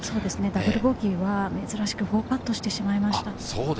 ダブルボギーは珍しく４パットしてしまいました。